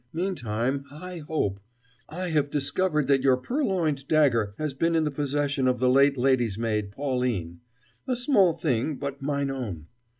Meantime, high hope! I have discovered that your purloined dagger has been in the possession of the late lady's maid, Pauline. "A small thing but mine own."